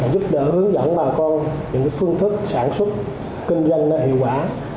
giúp đỡ hướng dẫn bà con những phương thức sản xuất kinh doanh hiệu quả